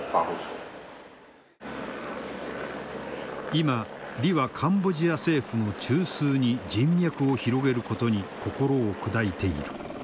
今李はカンボジア政府の中枢に人脈を広げることに心を砕いている。